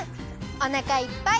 おなかいっぱい！